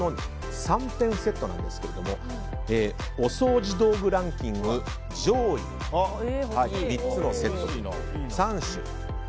３点セットなんですけどもお掃除道具ランキング上位セット３種。